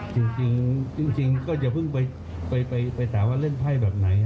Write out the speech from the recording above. จริงจริงจริงจริงก็จะพึ่งไปไปไปไปแต่ว่าเล่นไพร่แบบไหน